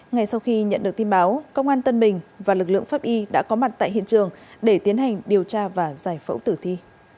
ngay sau khi nhận được tin báo công an tân bình và lực lượng pháp y đã có mặt tại hiện trường để tiến hành điều tra và giải phẫu tử thi